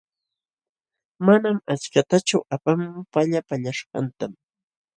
Manam achkatachu apaamun pallapaqllaśhqantam.